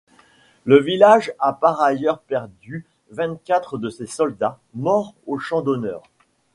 Le village a par ailleurs perdu vingt-quatre de ses soldats, morts au champ d'honneur.